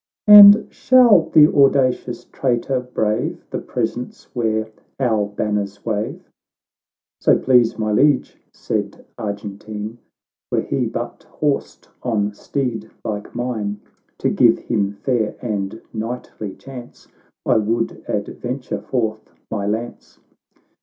—" And shall the audacious traitor brave The presence where our banners wave ?"—" So please my Liege," said Argentine, " "Were he but horsed on steed like mine, To give him fair and knightly chance, I would adventure forth my lance."